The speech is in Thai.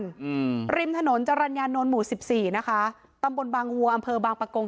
อืมริมถนนจรรยานนท์หมู่สิบสี่นะคะตำบลบางวัวอำเภอบางประกง